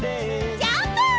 ジャンプ！